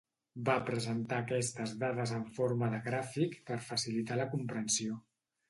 Va presentar aquestes dades en forma de gràfic per facilitar la comprensió.